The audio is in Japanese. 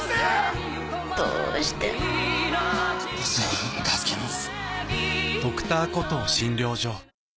「どうして」「助けます」